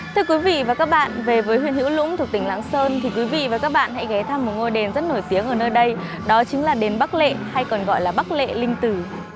thưa quý vị và các bạn về với huyện hữu lũng thuộc tỉnh lạng sơn thì quý vị và các bạn hãy ghé thăm một ngôi đền rất nổi tiếng ở nơi đây đó chính là đền bắc lệ hay còn gọi là bắc lệ linh tử